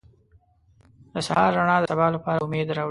• د سهار رڼا د سبا لپاره امید راوړي.